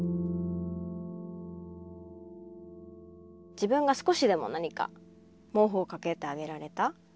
自分が少しでも何か毛布を掛けてあげられた。